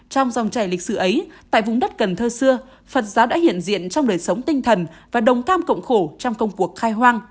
trong dòng chảy lịch sử ấy tại vùng đất cần thơ xưa phật giáo đã hiện diện trong đời sống tinh thần và đồng cam cộng khổ trong công cuộc khai hoang